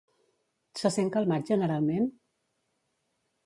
Se sent calmat generalment?